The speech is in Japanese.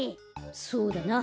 そうだな。